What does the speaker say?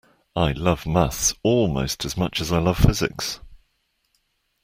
I love maths almost as much as I love physics